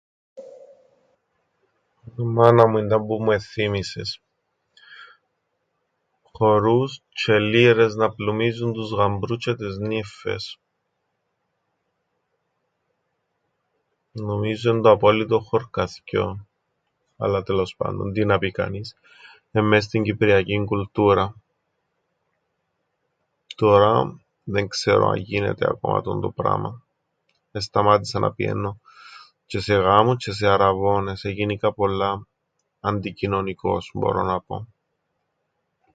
Μάνα μου ίνταμπου μου εθθύμισες... Χορούς τζ̆αι λίρες να πλουμίζουν τους γαμπρούς τζ̆αι τες νύφφες... Νομίζω εν' το απόλυτον χωρκαθκιόν, αλλά τέλος πάντων, τι να πει κανείς; Εν' μες στην κυπριακήν κουλτούραν. Τωρά δεν ξέρω αν γίνεται ακόμα τού(τ)ον το πράμαν. Εσταμάτησα να πηαίννω, τζ̆αι σε γάμους τζ̆αι σε αρραβώνες, εγίνηκα πολλά αντικοινωνικός μπορώ να πω.